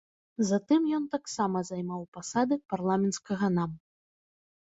Затым ён таксама займаў пасады парламенцкага нам.